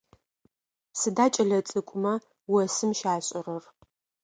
Сыда кӏэлэцӏыкӏумэ осым щашӏэрэр?